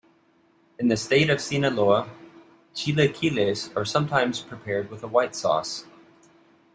In the state of Sinaloa, chilaquiles are sometimes prepared with a white sauce.